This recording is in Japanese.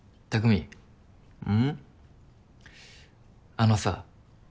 あのさ。